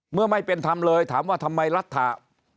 เมื่อไม่เป็นธรรมเลยถามว่าทำไมรัฐธรรม